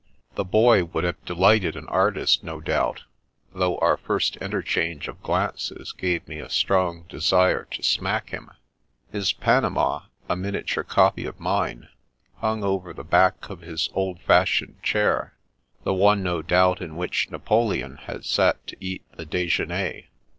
The boy would have delighted an artist, no doubt, though our first interchange of glances gave me a strong desire to smack him. His panama — a miniature copy of mine — ^hung over the back of his old fashioned chair — ^the one, no doubt, in which Napoleon had sat to eat the dijeuner.